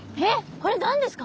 これ何ですか？